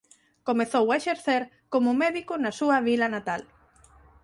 Comezou a exercer como médico na súa vila natal.